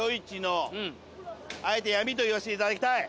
あえて「闇」と言わしていただきたい。